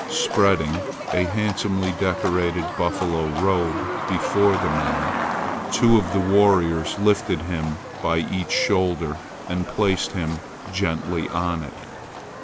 Spreading a handsomely decorated buffalo robe before the man, two of the warriors lifted him by each shoulder and placed him gently on it.